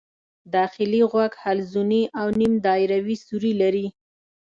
داخلي غوږ حلزوني او نیم دایروي سوري لري.